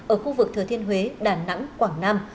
ở khu vực thừa thiên huế đà nẵng quảng nam